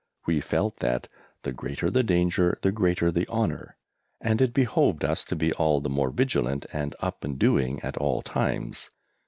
We felt that "the greater the danger, the greater the honour," and it behoved us to be all the more vigilant, and up and doing at all times.